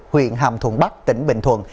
huyện hàm thuận bắc tỉnh bình thuận